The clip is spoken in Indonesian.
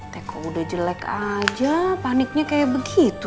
teko udah jelek aja paniknya kayak begitu